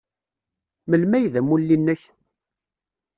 Melmi ay d amulli-nnek?